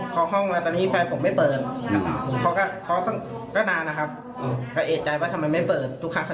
ใช่ครับตอนนี้หักปุ๊บ